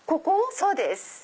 そうです。